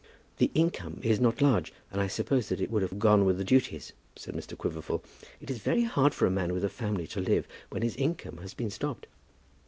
"The income is not large, and I suppose that it would have gone with the duties," said Mr. Quiverful. "It is very hard for a man with a family to live when his income has been stopped."